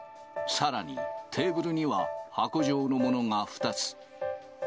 さらに、テーブルには箱状のものが２つ。